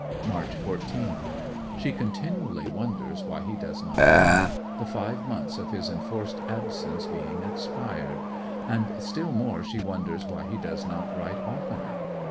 March 14. She continually wonders why he does not come, the five months of his enforced absence having expired; and still more she wonders why he does not write oftener.